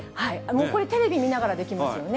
もうこれ、テレビ見ながらできますよね。